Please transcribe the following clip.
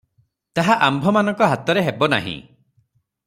ତାହା ଆମ୍ଭମାନଙ୍କ ହାତରେ ହେବ ନାହିଁ ।